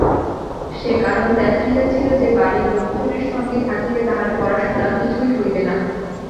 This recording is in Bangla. সে কারণ দেখাইয়াছিল যে, বাড়ির লোকজনের সঙ্গে থাকিলে তাহার পড়াশুনা কিছুই হইবে না।